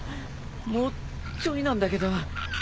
もうちょいなんだけど。